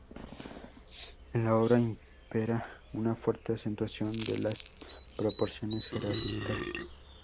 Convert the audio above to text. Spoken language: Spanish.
En la obra impera una fuerte acentuación de las proporciones jerárquicas.